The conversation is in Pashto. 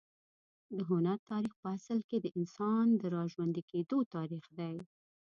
د هنر تاریخ په اصل کې د انسان د راژوندي کېدو تاریخ دی.